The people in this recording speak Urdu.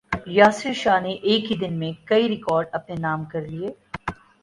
یاسر شاہ نے ایک ہی دن میں کئی ریکارڈز اپنے نام کر لیے